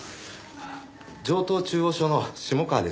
城東中央署の下川です。